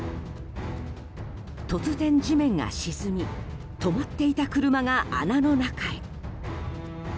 突然、地面が沈み止まっていた車が穴の中へ。